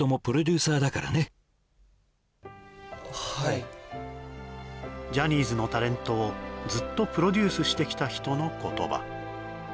はいはいはいジャニーズのタレントをずっとプロデュースしてきた人の言葉